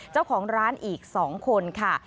เจ้าของร้านอีก๒คนค่ะ